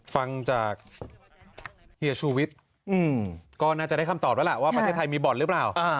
ฟังจากเฮียชูวิทย์ก็น่าจะได้คำตอบแล้วล่ะว่าประเทศไทยมีบ่อนหรือเปล่า